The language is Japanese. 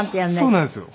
そうなんですよ。